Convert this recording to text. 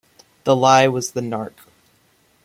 The Lie was the Nark.